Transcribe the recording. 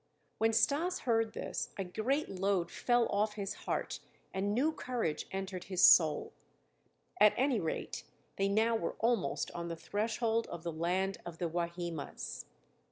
When Stas heard this, a great load fell off his heart and new courage entered his soul. At any rate, they now were almost on the threshold of the land of the Wahimas.